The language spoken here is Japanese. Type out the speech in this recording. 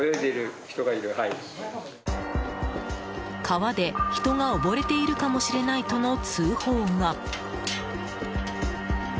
川で人が溺れているかもしれないとの通報が。